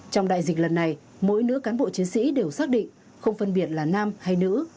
trong đại dịch lần này mỗi nữ cán bộ chiến sĩ đều xác định không phân biệt là nam hay nữ